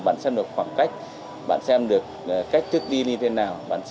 bạn xem được khoảng cách bạn xem được cách thức dịch bạn xem được điện điểm bạn xem được khoảng cách